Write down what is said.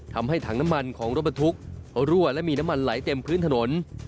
ทำให้ถังน้ำมันของรถบรรทุกรั่วและมีน้ำมันไหลเต็มพื้นถนน